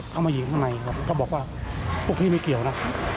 เข้ามายิงข้างในเขาบอกว่าพวกพี่ไม่เกี่ยวนะ